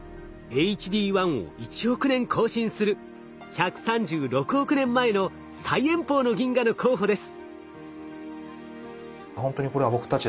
ＨＤ１を１億年更新する１３６億年前の最遠方の銀河の候補です。